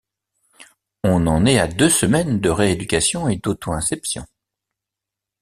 On en est à deux semaines de rééducation et d'autoinception.